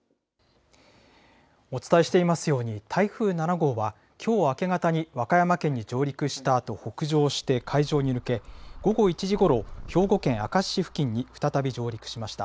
お伝えしていますように、台風７号はきょう明け方に和歌山県に上陸したあと、北上して海上に抜け、午後１時ごろ、兵庫県明石市付近に再び上陸しました。